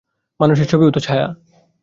মানুষের ছবিও তো ছায়া!